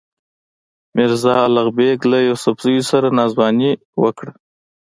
میرزا الغ بېګ له یوسفزیو سره ناځواني وکړه.